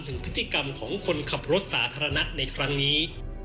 ถึงพฤติกรรมของคนขับรถสาธารณะในครั้งนี้